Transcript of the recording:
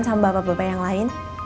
sama bapak bapak yang lain